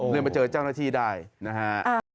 เริ่มมาเจอเจ้าหน้าที่ได้นะครับ